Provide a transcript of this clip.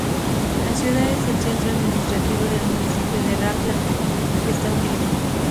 La ciudad es el centro administrativo del municipio de Rapla, al que está unido.